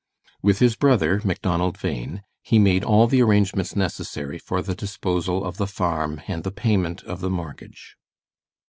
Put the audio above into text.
With his brother, Macdonald Bhain, he made all the arrangements necessary for the disposal of the farm and the payment of the mortgage.